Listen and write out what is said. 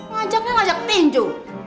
ngajaknya ngajak tinju